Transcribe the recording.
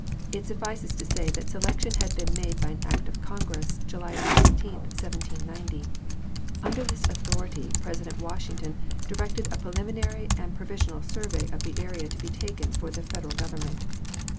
It suffices to say that selection had been made by act of Congress July 16,1790. Under this authority President Wash ington directed a preliminary or provisional survey of the area to be taken for the Federal Government.